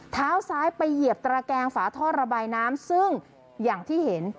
เท้าซ้ายไปเหยียบตระแกงฝาท่อระบายน้ำซึ่งอย่างที่เห็น